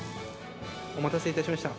お待たせいたしました。